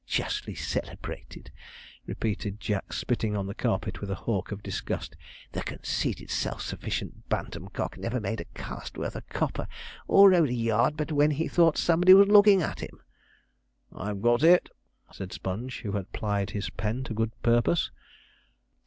Justly celebrated!' repeated Jack, spitting on the carpet with a hawk of disgust; 'the conceited self sufficient bantam cock never made a cast worth a copper, or rode a yard but when he thought somebody was looking at him.' 'I've got it,' said Sponge, who had plied his pen to good purpose.